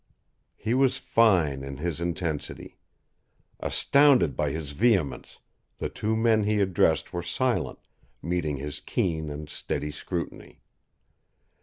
He was fine in his intensity. Astounded by his vehemence, the two men he addressed were silent, meeting his keen and steady scrutiny.